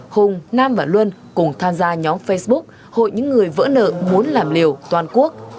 hùng nam và luân cùng tham gia nhóm facebook hội những người vỡ nợ muốn làm liều toàn quốc